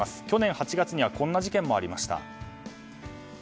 去年８月にはこんな事件もありました。